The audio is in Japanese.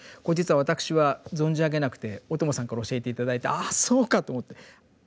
これ実は私は存じ上げなくて小友さんから教えて頂いて「ああそうか！」と思って。